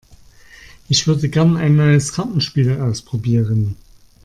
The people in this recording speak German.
Ich würde gerne ein neues Kartenspiel ausprobieren.